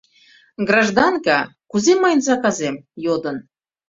— Гражданка, кузе мыйын заказем? — йодын.